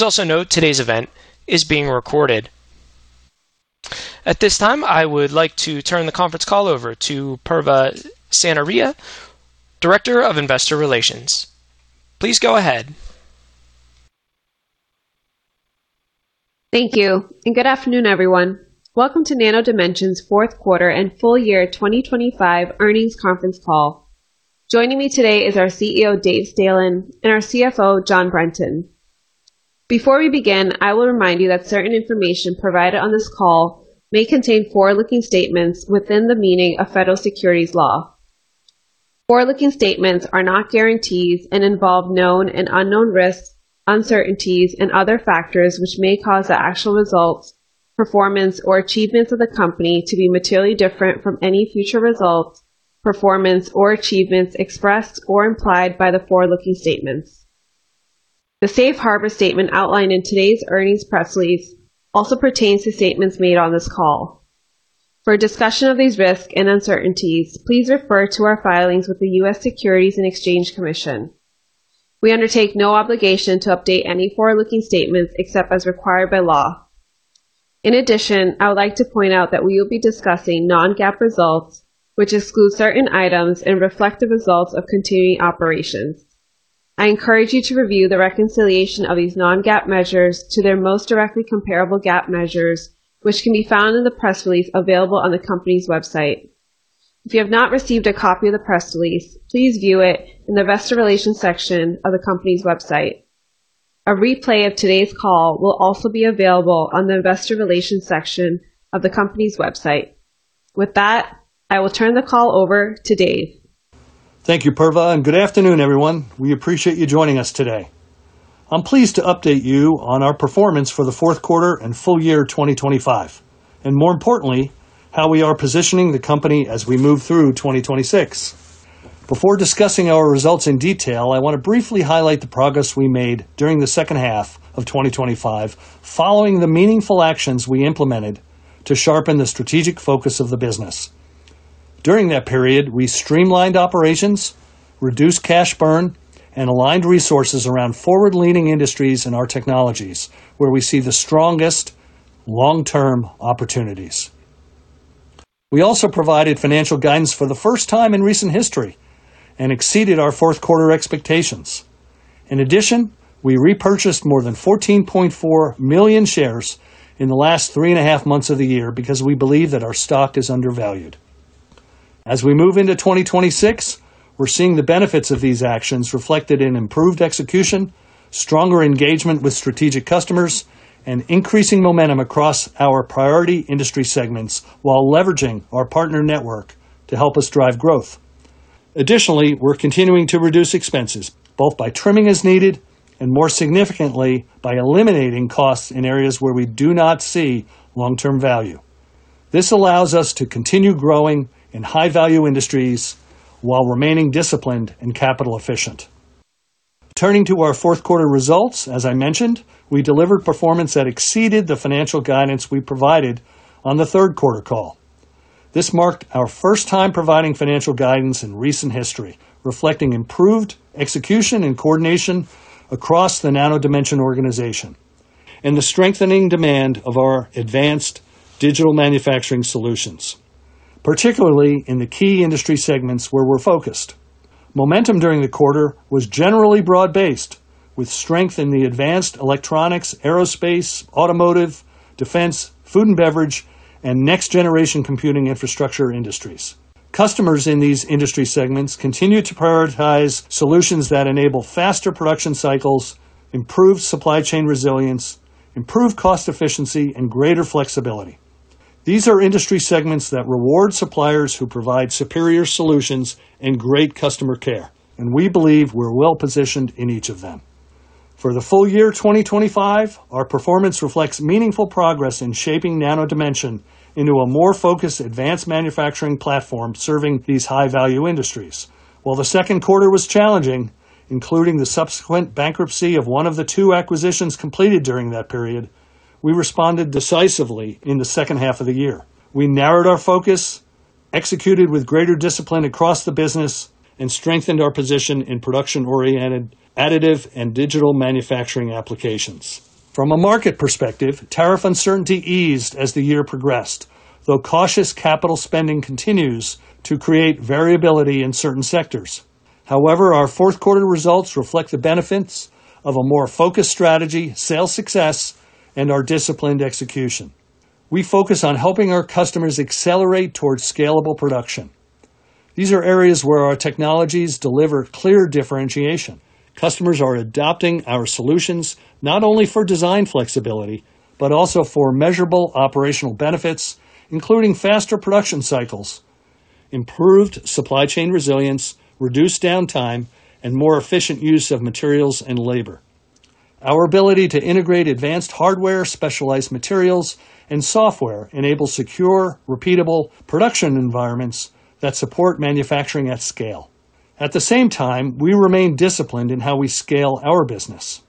Also, note today's event is being recorded. At this time, I would like to turn the conference call over to Parvah Sanaria, Director of Investor Relations. Please go ahead. Thank you, and good afternoon, everyone. Welcome to Nano Dimension's fourth quarter and full year 2025 earnings conference call. Joining me today is our CEO, David Stehlin, and our CFO, John Brenton. Before we begin, I will remind you that certain information provided on this call may contain forward-looking statements within the meaning of federal securities law. Forward-looking statements are not guarantees and involve known and unknown risks, uncertainties, and other factors which may cause the actual results, performance, or achievements of the company to be materially different from any future results, performance, or achievements expressed or implied by the forward-looking statements. The safe harbor statement outlined in today's earnings press release also pertains to statements made on this call. For discussion of these risks and uncertainties, please refer to our filings with the U.S. Securities and Exchange Commission. We undertake no obligation to update any forward-looking statements except as required by law. In addition, I would like to point out that we will be discussing non-GAAP results, which exclude certain items and reflect the results of continuing operations. I encourage you to review the reconciliation of these non-GAAP measures to their most directly comparable GAAP measures, which can be found in the press release available on the company's website. If you have not received a copy of the press release, please view it in the Investor Relations section of the company's website. A replay of today's call will also be available on the Investor Relations section of the company's website. With that, I will turn the call over to Dave. Thank you, Parvah, and good afternoon, everyone. We appreciate you joining us today. I'm pleased to update you on our performance for the fourth quarter and full year 2025, and more importantly, how we are positioning the company as we move through 2026. Before discussing our results in detail, I want to briefly highlight the progress we made during the second half of 2025 following the meaningful actions we implemented to sharpen the strategic focus of the business. During that period, we streamlined operations, reduced cash burn, and aligned resources around forward-leaning industries and our technologies, where we see the strongest long-term opportunities. We also provided financial guidance for the first time in recent history and exceeded our fourth quarter expectations. In addition, we repurchased more than 14.4 million shares in the last three and a half months of the year because we believe that our stock is undervalued. As we move into 2026, we're seeing the benefits of these actions reflected in improved execution, stronger engagement with strategic customers, and increasing momentum across our priority industry segments while leveraging our partner network to help us drive growth. Additionally, we're continuing to reduce expenses both by trimming as needed and, more significantly, by eliminating costs in areas where we do not see long-term value. This allows us to continue growing in high-value industries while remaining disciplined and capital-efficient. Turning to our fourth quarter results, as I mentioned, we delivered performance that exceeded the financial guidance we provided on the third quarter call. This marked our first time providing financial guidance in recent history, reflecting improved execution and coordination across the Nano Dimension organization and the strengthening demand of our advanced digital manufacturing solutions, particularly in the key industry segments where we're focused. Momentum during the quarter was generally broad-based, with strength in the advanced electronics, aerospace, automotive, defense, food and beverage, and next-generation computing infrastructure industries. Customers in these industry segments continue to prioritize solutions that enable faster production cycles, improved supply chain resilience, improved cost efficiency, and greater flexibility. These are industry segments that reward suppliers who provide superior solutions and great customer care, and we believe we're well-positioned in each of them. For the full year 2025, our performance reflects meaningful progress in shaping Nano Dimension into a more focused advanced manufacturing platform serving these high-value industries. While the second quarter was challenging, including the subsequent bankruptcy of one of the two acquisitions completed during that period, we responded decisively in the second half of the year. We narrowed our focus, executed with greater discipline across the business, and strengthened our position in production-oriented additive and digital manufacturing applications. From a market perspective, tariff uncertainty eased as the year progressed, though cautious capital spending continues to create variability in certain sectors. However, our fourth quarter results reflect the benefits of a more focused strategy, sales success, and our disciplined execution. We focus on helping our customers accelerate towards scalable production. These are areas where our technologies deliver clear differentiation. Customers are adopting our solutions not only for design flexibility but also for measurable operational benefits, including faster production cycles, improved supply chain resilience, reduced downtime, and more efficient use of materials and labor. Our ability to integrate advanced hardware, specialized materials, and software enables secure, repeatable production environments that support manufacturing at scale. At the same time, we remain disciplined in how we scale our business.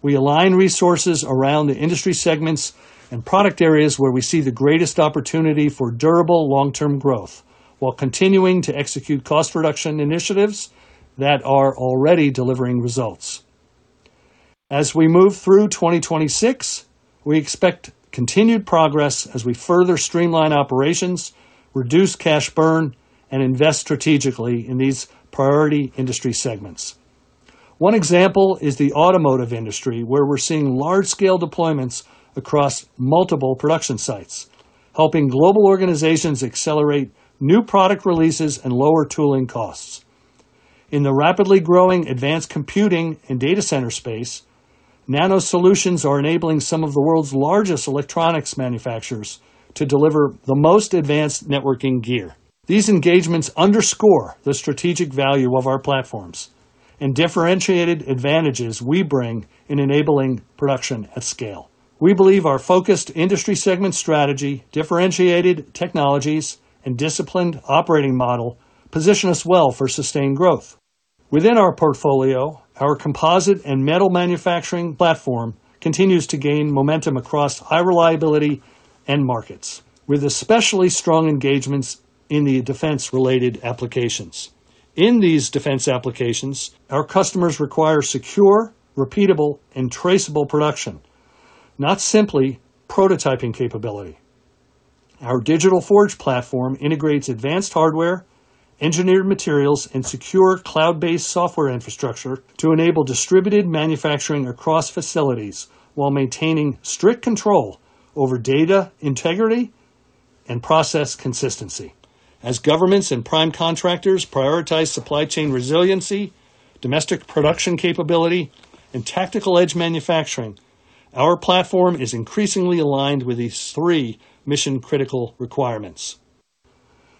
We align resources around the industry segments and product areas where we see the greatest opportunity for durable long-term growth while continuing to execute cost reduction initiatives that are already delivering results. As we move through 2026, we expect continued progress as we further streamline operations, reduce cash burn, and invest strategically in these priority industry segments. One example is the automotive industry, where we're seeing large-scale deployments across multiple production sites, helping global organizations accelerate new product releases and lower tooling costs. In the rapidly growing advanced computing and data center space, Nano Dimension solutions are enabling some of the world's largest electronics manufacturers to deliver the most advanced networking gear. These engagements underscore the strategic value of our platforms and differentiated advantages we bring in enabling production at scale. We believe our focused industry segment strategy, differentiated technologies, and disciplined operating model position us well for sustained growth. Within our portfolio, our composite and metal manufacturing platform continues to gain momentum across high-reliability end markets, with especially strong engagements in the defense-related applications. In these defense applications, our customers require secure, repeatable, and traceable production, not simply prototyping capability. Our Digital Forge platform integrates advanced hardware, engineered materials, and secure cloud-based software infrastructure to enable distributed manufacturing across facilities while maintaining strict control over data integrity and process consistency. As governments and prime contractors prioritize supply chain resiliency, domestic production capability, and tactical edge manufacturing, our platform is increasingly aligned with these three mission-critical requirements.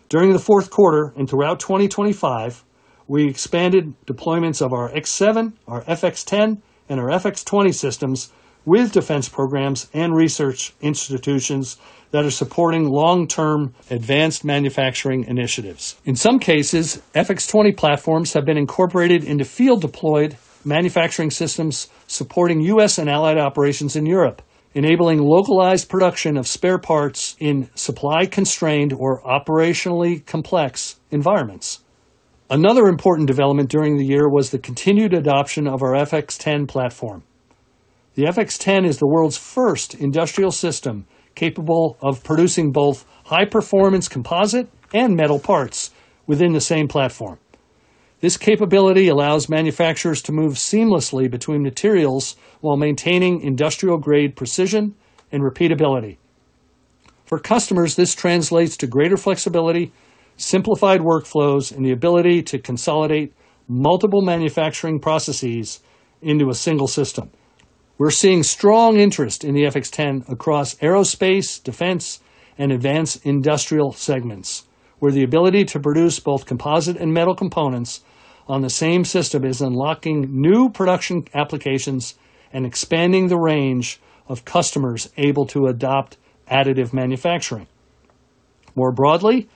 During the fourth quarter and throughout 2025, we expanded deployments of our X7, our FX10, and our FX20 systems with defense programs and research institutions that are supporting long-term advanced manufacturing initiatives. In some cases, FX20 platforms have been incorporated into field-deployed manufacturing systems supporting U.S. and allied operations in Europe, enabling localized production of spare parts in supply-constrained or operationally complex environments. Another important development during the year was the continued adoption of our FX10 platform. The FX10 is the world's first industrial system capable of producing both high-performance composite and metal parts within the same platform. This capability allows manufacturers to move seamlessly between materials while maintaining industrial-grade precision and repeatability. For customers, this translates to greater flexibility, simplified workflows, and the ability to consolidate multiple manufacturing processes into a single system. We're seeing strong interest in the FX10 across aerospace, defense, and advanced industrial segments, where the ability to produce both composite and metal components on the same system is unlocking new production applications and expanding the range of customers able to adopt additive manufacturing. More broadly,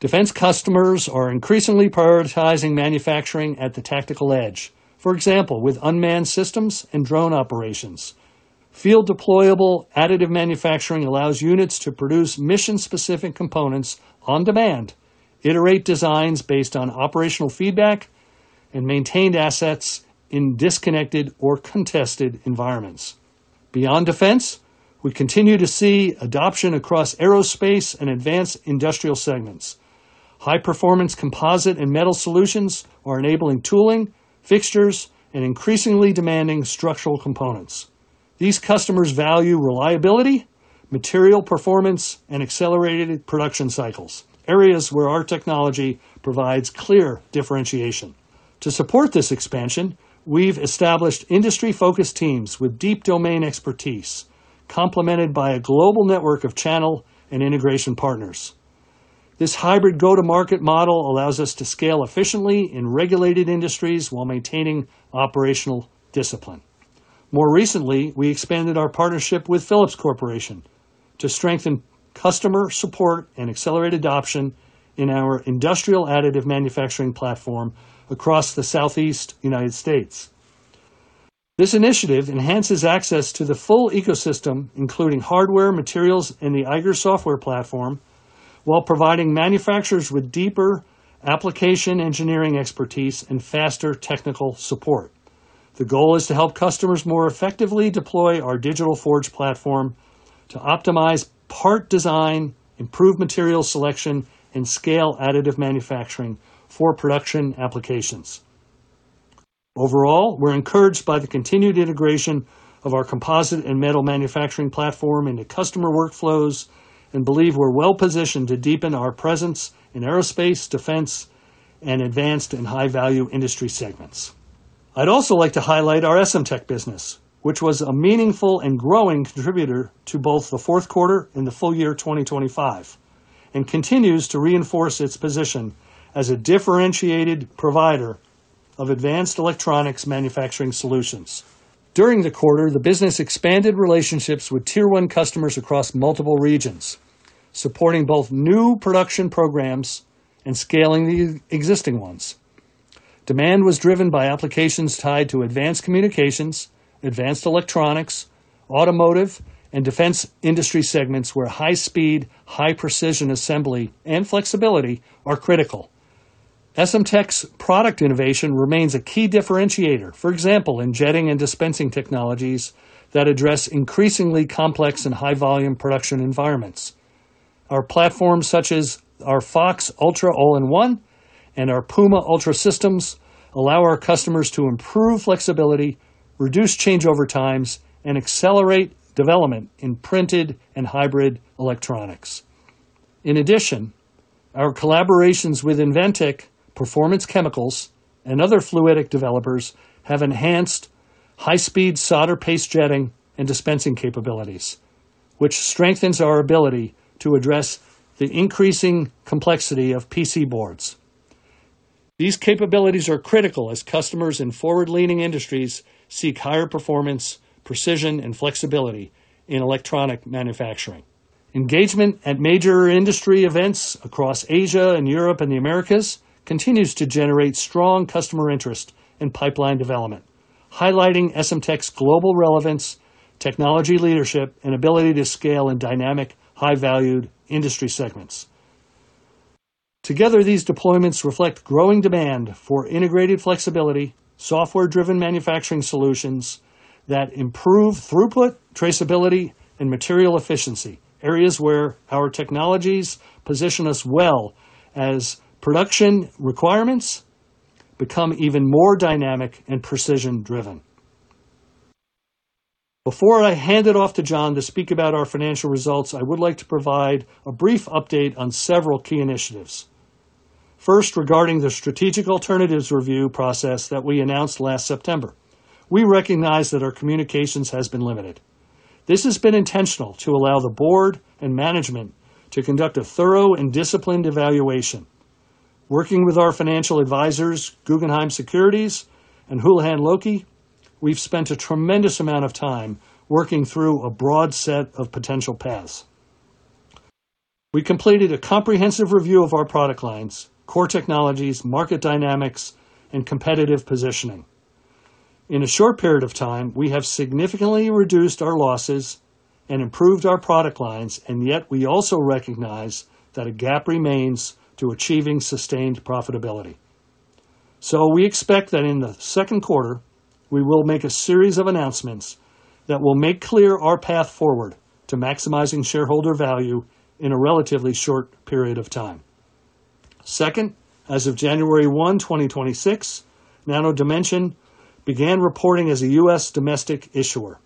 defense customers are increasingly prioritizing manufacturing at the tactical edge, for example, with unmanned systems and drone operations. Field-deployable additive manufacturing allows units to produce mission-specific components on demand, iterate designs based on operational feedback, and maintain assets in disconnected or contested environments. Beyond defense, we continue to see adoption across aerospace and advanced industrial segments. High-performance composite and metal solutions are enabling tooling, fixtures, and increasingly demanding structural components. These customers value reliability, material performance, and accelerated production cycles, areas where our technology provides clear differentiation. To support this expansion, we've established industry-focused teams with deep domain expertise, complemented by a global network of channel and integration partners. This hybrid go-to-market model allows us to scale efficiently in regulated industries while maintaining operational discipline. More recently, we expanded our partnership with Phillips Corporation to strengthen customer support and accelerate adoption in our industrial additive manufacturing platform across the Southeast United States. This initiative enhances access to the full ecosystem, including hardware, materials, and the Eiger software platform, while providing manufacturers with deeper application engineering expertise and faster technical support. The goal is to help customers more effectively deploy our digital forge platform to optimize part design, improve material selection, and scale additive manufacturing for production applications. Overall, we're encouraged by the continued integration of our composite and metal manufacturing platform into customer workflows and believe we're well-positioned to deepen our presence in aerospace, defense, and advanced and high-value industry segments. I'd also like to highlight our SMT business, which was a meaningful and growing contributor to both the fourth quarter and the full year 2025 and continues to reinforce its position as a differentiated provider of advanced electronics manufacturing solutions. During the quarter, the business expanded relationships with tier-one customers across multiple regions, supporting both new production programs and scaling the existing ones. Demand was driven by applications tied to advanced communications, advanced electronics, automotive, and defense industry segments where high-speed, high-precision assembly and flexibility are critical. SMT's product innovation remains a key differentiator, for example, in jetting and dispensing technologies that address increasingly complex and high-volume production environments. Our platforms, such as our FOX Ultra All-in-One and our PUMA Ultra Systems, allow our customers to improve flexibility, reduce changeover times, and accelerate development in printed and hybrid electronics. In addition, our collaborations with Inventec, Performance Chemicals, and other fluidic developers have enhanced high-speed solder paste jetting and dispensing capabilities, which strengthens our ability to address the increasing complexity of PC boards. These capabilities are critical as customers in forward-leaning industries seek higher performance, precision, and flexibility in electronic manufacturing. Engagement at major industry events across Asia, Europe, and the Americas continues to generate strong customer interest and pipeline development, highlighting SMT's global relevance, technology leadership, and ability to scale in dynamic, high-value industry segments. Together, these deployments reflect growing demand for integrated flexibility, software-driven manufacturing solutions that improve throughput, traceability, and material efficiency, areas where our technologies position us well as production requirements become even more dynamic and precision-driven. Before I hand it off to John to speak about our financial results, I would like to provide a brief update on several key initiatives. First, regarding the strategic alternatives review process that we announced last September, we recognize that our communications have been limited. This has been intentional to allow the board and management to conduct a thorough and disciplined evaluation. Working with our financial advisors, Guggenheim Securities, and Houlihan Lokey, we've spent a tremendous amount of time working through a broad set of potential paths. We completed a comprehensive review of our product lines, core technologies, market dynamics, and competitive positioning. In a short period of time, we have significantly reduced our losses and improved our product lines, and yet we also recognize that a gap remains to achieving sustained profitability. We expect that in the second quarter, we will make a series of announcements that will make clear our path forward to maximizing shareholder value in a relatively short period of time. Second, as of January 1, 2026, Nano Dimension began reporting as a U.S. domestic issuer.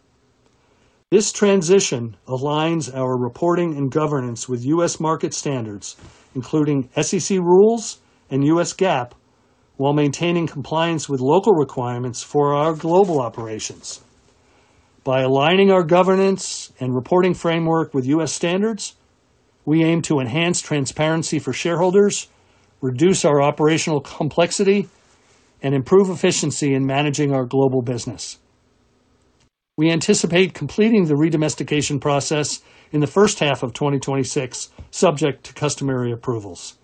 This transition aligns our reporting and governance with U.S. market standards, including SEC rules and U.S. GAAP, while maintaining compliance with local requirements for our global operations. By aligning our governance and reporting framework with U.S. standards, we aim to enhance transparency for shareholders, reduce our operational complexity, and improve efficiency in managing our global business. We anticipate completing the redomestication process in the first half of 2026, subject to customary approvals.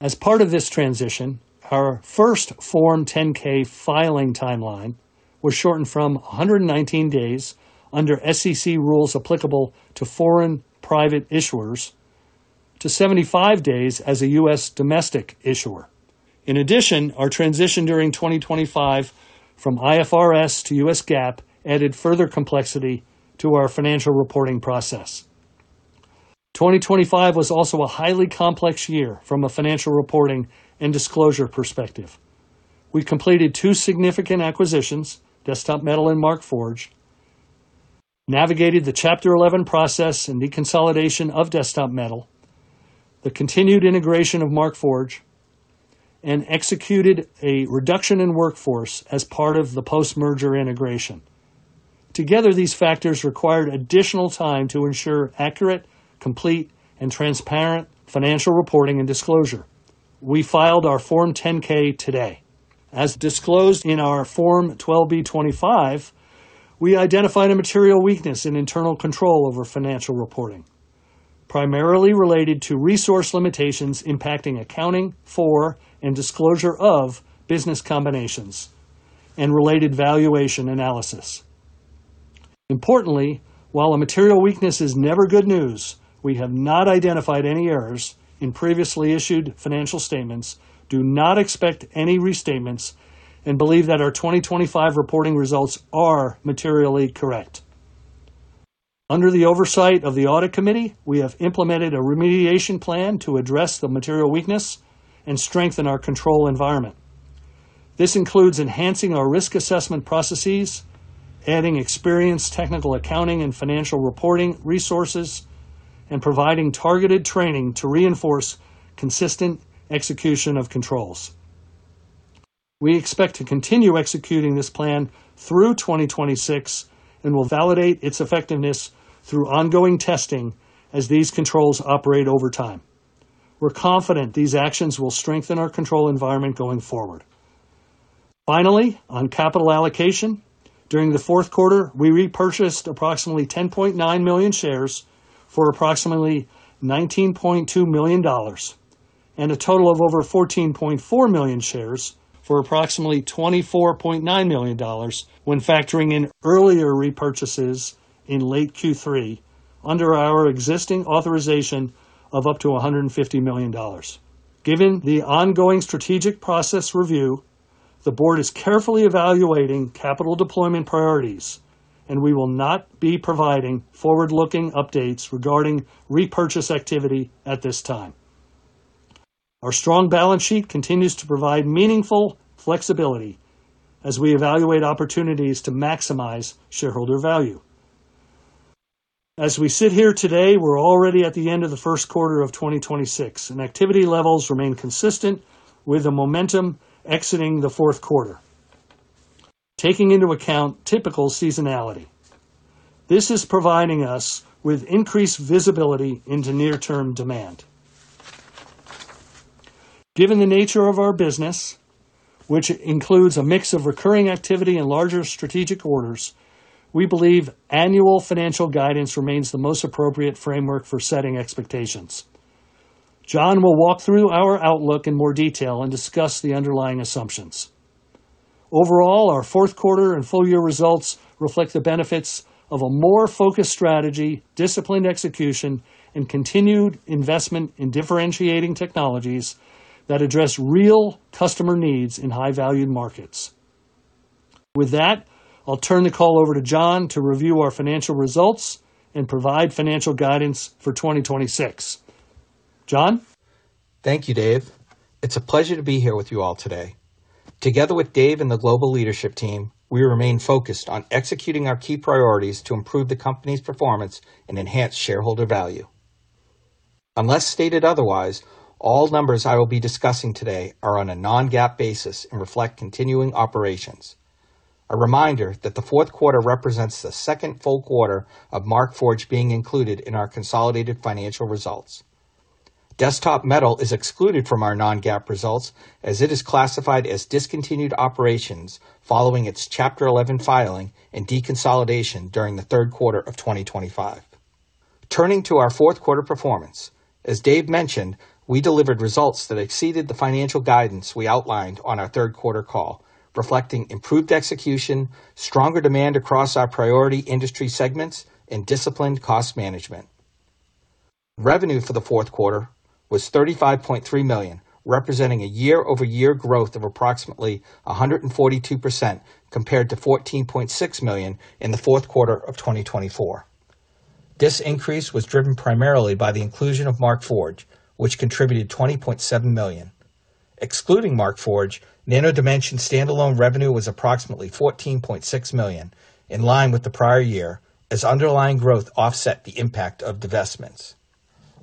As part of this transition, our first Form 10-K filing timeline was shortened from 119 days under SEC rules applicable to foreign private issuers to 75 days as a U.S. domestic issuer. In addition, our transition during 2025 from IFRS to U.S. GAAP added further complexity to our financial reporting process. 2025 was also a highly complex year from a financial reporting and disclosure perspective. We completed two significant acquisitions, Desktop Metal and Markforged, navigated the Chapter 11 process and deconsolidation of Desktop Metal, the continued integration of Markforged, and executed a reduction in workforce as part of the post-merger integration. Together, these factors required additional time to ensure accurate, complete, and transparent financial reporting and disclosure. We filed our Form 10-K today. As disclosed in our Form 12b-25, we identified a material weakness in internal control over financial reporting, primarily related to resource limitations impacting accounting for and disclosure of business combinations and related valuation analysis. Importantly, while a material weakness is never good news, we have not identified any errors in previously issued financial statements, do not expect any restatements, and believe that our 2025 reporting results are materially correct. Under the oversight of the audit committee, we have implemented a remediation plan to address the material weakness and strengthen our control environment. This includes enhancing our risk assessment processes, adding experienced technical accounting and financial reporting resources, and providing targeted training to reinforce consistent execution of controls. We expect to continue executing this plan through 2026 and will validate its effectiveness through ongoing testing as these controls operate over time. We're confident these actions will strengthen our control environment going forward. Finally, on capital allocation, during the fourth quarter, we repurchased approximately 10.9 million shares for approximately $19.2 million and a total of over 14.4 million shares for approximately $24.9 million when factoring in earlier repurchases in late Q3 under our existing authorization of up to $150 million. Given the ongoing strategic process review, the board is carefully evaluating capital deployment priorities, and we will not be providing forward-looking updates regarding repurchase activity at this time. Our strong balance sheet continues to provide meaningful flexibility as we evaluate opportunities to maximize shareholder value. As we sit here today, we're already at the end of the first quarter of 2026, and activity levels remain consistent with the momentum exiting the fourth quarter, taking into account typical seasonality. This is providing us with increased visibility into near-term demand. Given the nature of our business, which includes a mix of recurring activity and larger strategic orders, we believe annual financial guidance remains the most appropriate framework for setting expectations. John will walk through our outlook in more detail and discuss the underlying assumptions. Overall, our fourth quarter and full-year results reflect the benefits of a more focused strategy, disciplined execution, and continued investment in differentiating technologies that address real customer needs in high-valued markets. With that, I'll turn the call over to John to review our financial results and provide financial guidance for 2026. John? Thank you, Dave. It's a pleasure to be here with you all today. Together with Dave and the global leadership team, we remain focused on executing our key priorities to improve the company's performance and enhance shareholder value. Unless stated otherwise, all numbers I will be discussing today are on a non-GAAP basis and reflect continuing operations. A reminder that the fourth quarter represents the second full quarter of Markforged being included in our consolidated financial results. Desktop Metal is excluded from our non-GAAP results as it is classified as discontinued operations following its Chapter 11 filing and deconsolidation during the third quarter of 2025. Turning to our fourth quarter performance, as Dave mentioned, we delivered results that exceeded the financial guidance we outlined on our third quarter call, reflecting improved execution, stronger demand across our priority industry segments, and disciplined cost management. Revenue for the fourth quarter was $35.3 million, representing a year-over-year growth of approximately 142% compared to $14.6 million in the fourth quarter of 2023. This increase was driven primarily by the inclusion of Markforged, which contributed $20.7 million. Excluding Markforged, Nano Dimension standalone revenue was approximately $14.6 million, in line with the prior year, as underlying growth offset the impact of divestments.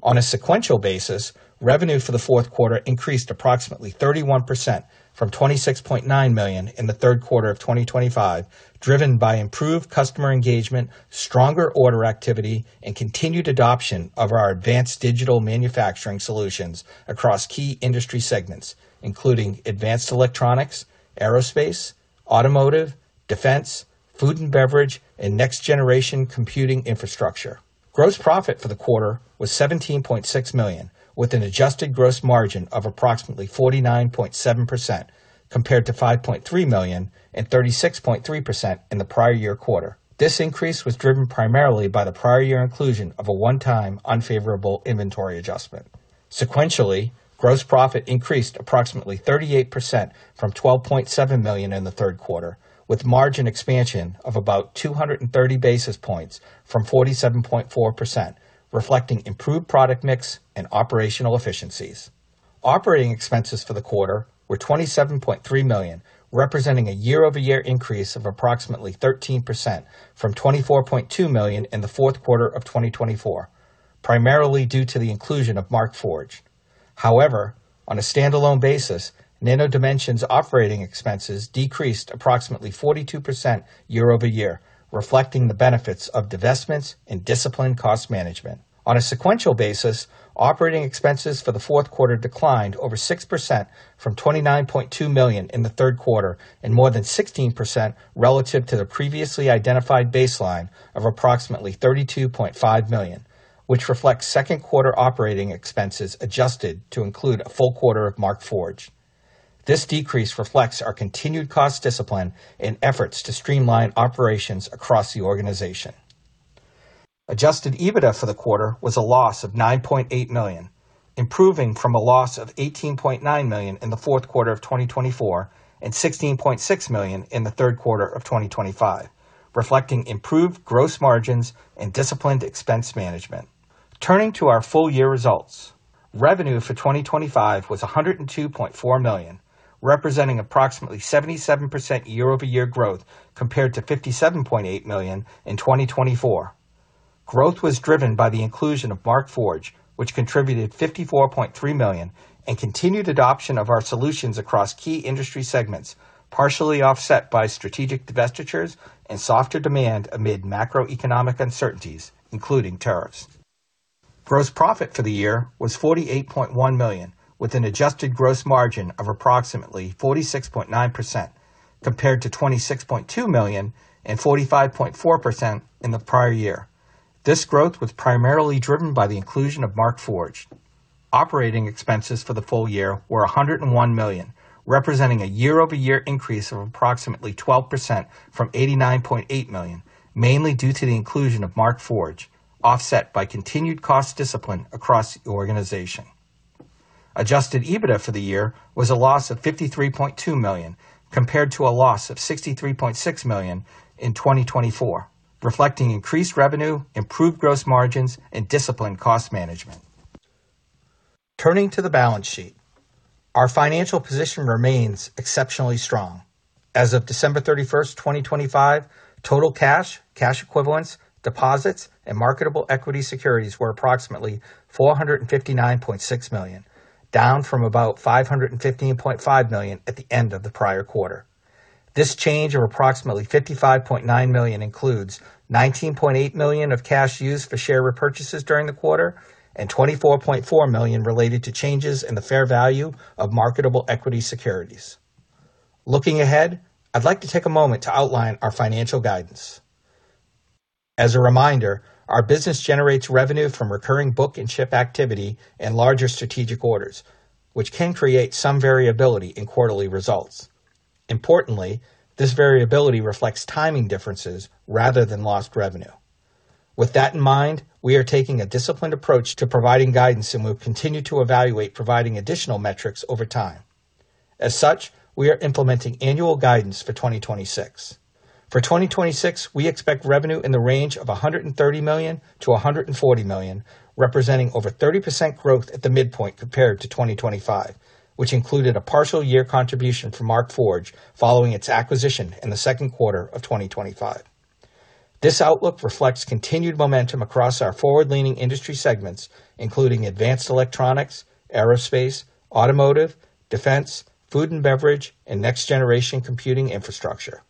On a sequential basis, revenue for the fourth quarter increased approximately 31% from $26.9 million in the third quarter of 2024, driven by improved customer engagement, stronger order activity, and continued adoption of our advanced digital manufacturing solutions across key industry segments, including advanced electronics, aerospace, automotive, defense, food and beverage, and next-generation computing infrastructure. Gross profit for the quarter was $17.6 million, with an adjusted gross margin of approximately 49.7% compared to $5.3 million and 36.3% in the prior year quarter. This increase was driven primarily by the prior year inclusion of a one-time unfavorable inventory adjustment. Sequentially, gross profit increased approximately 38% from $12.7 million in the third quarter, with margin expansion of about 230 basis points from 47.4%, reflecting improved product mix and operational efficiencies. Operating expenses for the quarter were $27.3 million, representing a year-over-year increase of approximately 13% from $24.2 million in the fourth quarter of 2024, primarily due to the inclusion of Markforged. However, on a standalone basis, Nano Dimension's operating expenses decreased approximately 42% year-over-year, reflecting the benefits of divestments and disciplined cost management. On a sequential basis, operating expenses for the fourth quarter declined over 6% from $29.2 million in the third quarter and more than 16% relative to the previously identified baseline of approximately $32.5 million, which reflects second quarter operating expenses adjusted to include a full quarter of Markforged. This decrease reflects our continued cost discipline and efforts to streamline operations across the organization. Adjusted EBITDA for the quarter was a loss of $9.8 million, improving from a loss of $18.9 million in the fourth quarter of 2024 and $16.6 million in the third quarter of 2025, reflecting improved gross margins and disciplined expense management. Turning to our full-year results, revenue for 2025 was $102.4 million, representing approximately 77% year-over-year growth compared to $57.8 million in 2024. Growth was driven by the inclusion of Markforged, which contributed $54.3 million and continued adoption of our solutions across key industry segments, partially offset by strategic divestitures and softer demand amid macroeconomic uncertainties, including tariffs. Gross profit for the year was $48.1 million, with an adjusted gross margin of approximately 46.9% compared to $26.2 million and 45.4% in the prior year. This growth was primarily driven by the inclusion of Markforged. Operating expenses for the full year were $101 million, representing a year-over-year increase of approximately 12% from $89.8 million, mainly due to the inclusion of Markforged, offset by continued cost discipline across the organization. Adjusted EBITDA for the year was a loss of $53.2 million compared to a loss of $63.6 million in 2024, reflecting increased revenue, improved gross margins, and disciplined cost management. Turning to the balance sheet, our financial position remains exceptionally strong. As of December 31st, 2025, total cash equivalents, deposits, and marketable equity securities were approximately $459.6 million, down from about $515.5 million at the end of the prior quarter. This change of approximately $55.9 million includes $19.8 million of cash used for share repurchases during the quarter and $24.4 million related to changes in the fair value of marketable equity securities. Looking ahead, I'd like to take a moment to outline our financial guidance. As a reminder, our business generates revenue from recurring book-and-ship activity and larger strategic orders, which can create some variability in quarterly results. Importantly, this variability reflects timing differences rather than lost revenue. With that in mind, we are taking a disciplined approach to providing guidance, and we will continue to evaluate providing additional metrics over time. As such, we are implementing annual guidance for 2026. For 2026, we expect revenue in the range of $130 million-$140 million, representing over 30% growth at the midpoint compared to 2025, which included a partial year contribution from Markforged following its acquisition in the second quarter of 2025. This outlook reflects continued momentum across our forward-leaning industry segments, including advanced electronics, aerospace, automotive, defense, food and beverage, and next-generation computing infrastructure.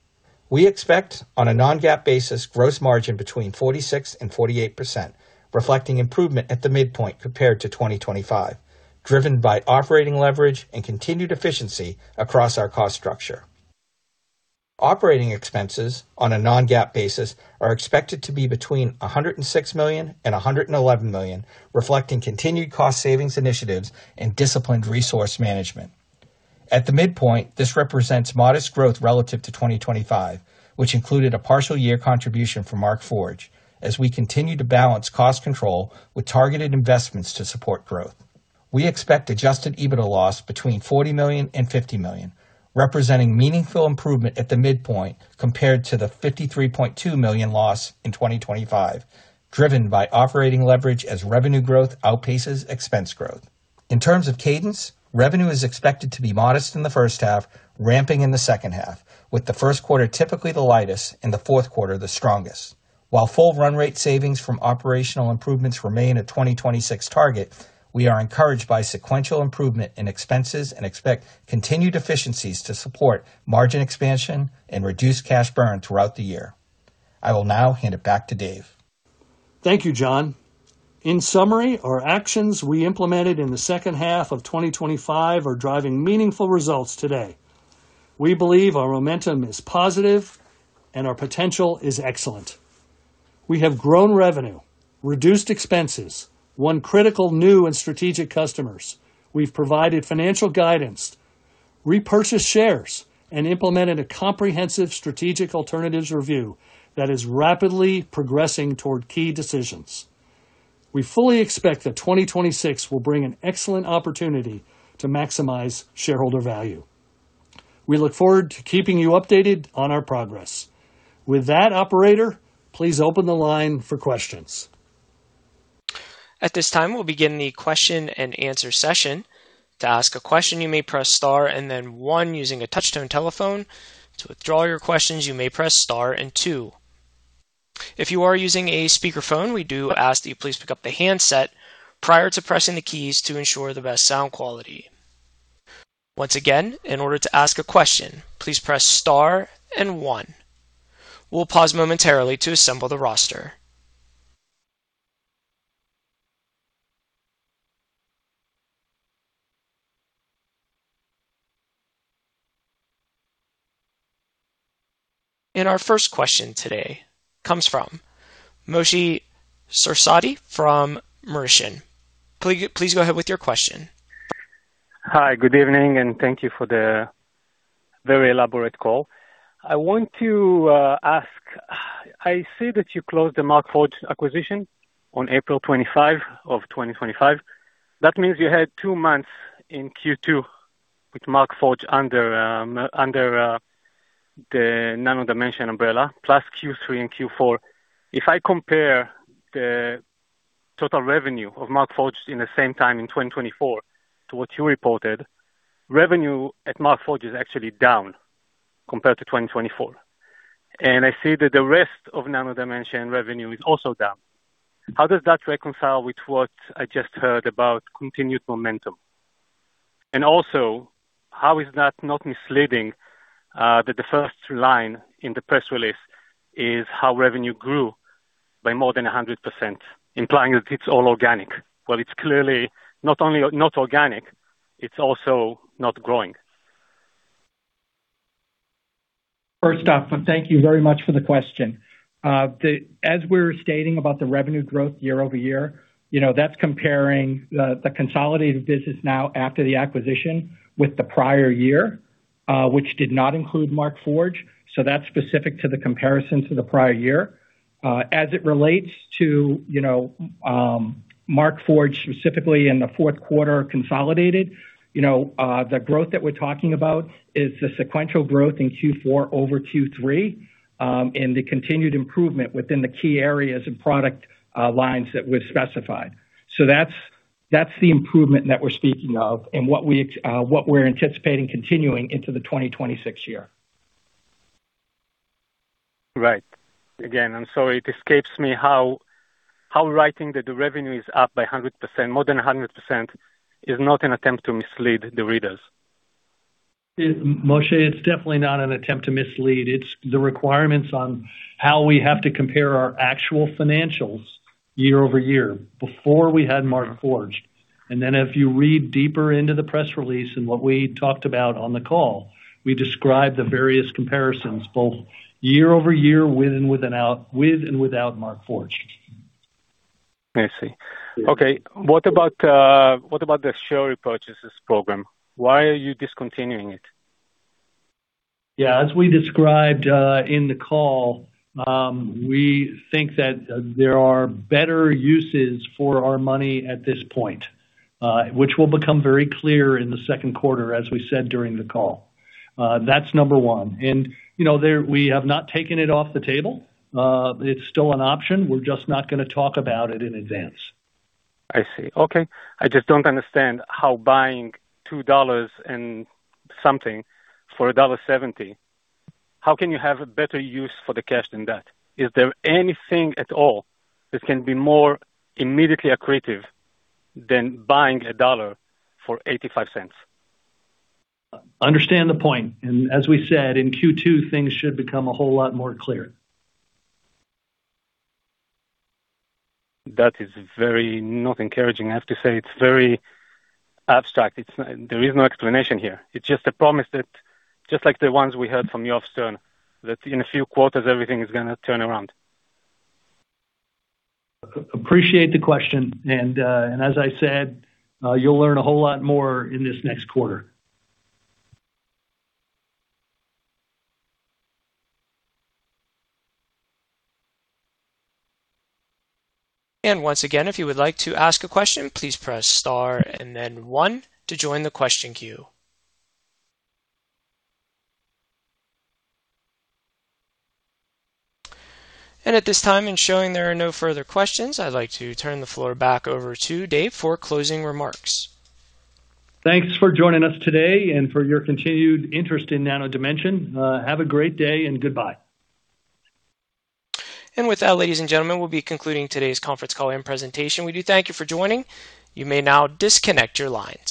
We expect, on a non-GAAP basis, gross margin 46%-48%, reflecting improvement at the midpoint compared to 2025, driven by operating leverage and continued efficiency across our cost structure. Operating expenses, on a non-GAAP basis, are expected to be between $106 million-$111 million, reflecting continued cost-savings initiatives and disciplined resource management. At the midpoint, this represents modest growth relative to 2025, which included a partial year contribution from Markforged, as we continue to balance cost control with targeted investments to support growth. We expect Adjusted EBITDA loss between $40 million-$50 million, representing meaningful improvement at the midpoint compared to the $53.2 million loss in 2025, driven by operating leverage as revenue growth outpaces expense growth. In terms of cadence, revenue is expected to be modest in the first half, ramping in the second half, with the first quarter typically the lightest and the fourth quarter the strongest. While full run-rate savings from operational improvements remain a 2026 target, we are encouraged by sequential improvement in expenses and expect continued efficiencies to support margin expansion and reduce cash burn throughout the year. I will now hand it back to Dave. Thank you, John. In summary, our actions we implemented in the second half of 2025 are driving meaningful results today. We believe our momentum is positive and our potential is excellent. We have grown revenue, reduced expenses, won critical new and strategic customers. We've provided financial guidance, repurchased shares, and implemented a comprehensive strategic alternatives review that is rapidly progressing toward key decisions. We fully expect that 2026 will bring an excellent opportunity to maximize shareholder value. We look forward to keeping you updated on our progress. With that, operator, please open the line for questions. At this time, we'll begin the question and answer session. To ask a question, you may press star and then one using a touch-tone telephone. To withdraw your questions, you may press star and two. If you are using a speakerphone, we do ask that you please pick up the handset prior to pressing the keys to ensure the best sound quality. Once again, in order to ask a question, please press star and one. We'll pause momentarily to assemble the roster. Our first question today comes from Moshe Sarsadi from Merchant. Please go ahead with your question. Hi. Good evening, and thank you for the very elaborate call. I want to ask. I see that you closed the Markforged acquisition on April 25 of 2025. That means you had two months in Q2 with Markforged under the Nano Dimension umbrella, plus Q3 and Q4. If I compare the total revenue of Markforged in the same time in 2024 to what you reported, revenue at Markforged is actually down compared to 2024. I see that the rest of Nano Dimension revenue is also down. How does that reconcile with what I just heard about continued momentum? Also, how is that not misleading that the first line in the press release is how revenue grew by more than 100%, implying that it's all organic? Well, it's clearly not only not organic, it's also not growing. First off, thank you very much for the question. As we were stating about the revenue growth year-over-year, that's comparing the consolidated business now after the acquisition with the prior year, which did not include Markforged. That's specific to the comparison to the prior year. As it relates to Markforged specifically in the fourth quarter consolidated, the growth that we're talking about is the sequential growth in Q4 over Q3 and the continued improvement within the key areas and product lines that we've specified. That's the improvement that we're speaking of and what we're anticipating continuing into the 2026 year. Right. Again, I'm sorry. It escapes me how writing that the revenue is up by 100%, more than 100%, is not an attempt to mislead the readers? Moshe, it's definitely not an attempt to mislead. It's the requirements on how we have to compare our actual financials year-over-year before we had Markforged. If you read deeper into the press release and what we talked about on the call, we describe the various comparisons both year-over-year with and without Markforged. I see. Okay. What about the share repurchases program? Why are you discontinuing it? Yeah. As we described in the call, we think that there are better uses for our money at this point, which will become very clear in the second quarter, as we said during the call. That's number one. We have not taken it off the table. It's still an option. We're just not going to talk about it in advance. I see. Okay. I just don't understand how buying $2 and something for $1.70, how can you have a better use for the cash than that? Is there anything at all that can be more immediately accretive than buying $1 for $0.85? Understand the point. As we said, in Q2, things should become a whole lot more clear. That is not encouraging. I have to say it's very abstract. There is no explanation here. It's just a promise that just like the ones we heard from Yoav Stern, that in a few quarters, everything is going to turn around. Appreciate the question. As I said, you'll learn a whole lot more in this next quarter. Once again, if you would like to ask a question, please press star and then one to join the question queue. At this time, I'm showing there are no further questions, I'd like to turn the floor back over to Dave for closing remarks. Thanks for joining us today and for your continued interest in Nano Dimension. Have a great day and goodbye. With that, ladies and gentlemen, we'll be concluding today's conference call and presentation. We do thank you for joining. You may now disconnect your lines.